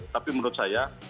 tapi menurut saya